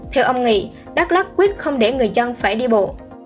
theo ông nghị đắk lắc quyết không để người dân phải đi bộ